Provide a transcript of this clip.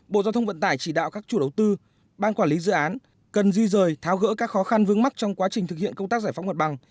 bộ giao thông vận tải chỉ đạo các chủ đầu tư ban quản lý dự án cần di rời tháo gỡ các khó khăn vướng mắt trong quá trình thực hiện công tác giải phóng mặt bằng